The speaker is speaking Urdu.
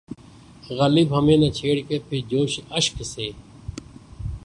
غالب ہمیں نہ چھیڑ کہ پھر جوشِ اشک سے